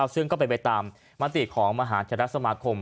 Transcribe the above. ซึ่งก็ไปตามมาตรีของมหาธรรมสมาคม